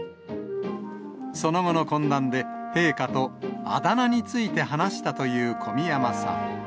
その後の懇談で、陛下とあだ名について話したという小宮山さん。